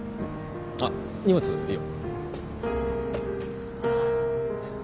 あ荷物いいよ。